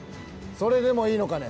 それでもいいのかね。